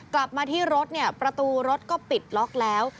กลับมาที่รถเนี่ยประตูรถก็ปิดล็อกแล้ว